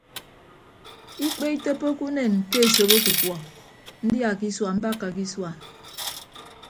Ikpe itoppoke unen ke esop ọkukuọ ndia ke isua mbakka ke isua.